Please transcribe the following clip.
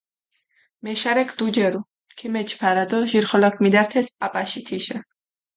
მეშარექ დუჯერუ, ქიმეჩჷ ფარა დო ჟირხოლოქ მიდართეს პაპაში თიშა.